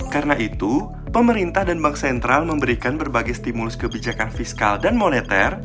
karena itu pemerintah dan bank sentral memberikan berbagai stimulus kebijakan fiskal dan moneter